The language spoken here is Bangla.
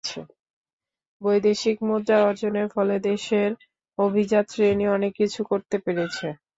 বৈদেশিক মুদ্রা অর্জনের ফলে দেশের অভিজাত শ্রেণী অনেক কিছু করতে পেরেছে।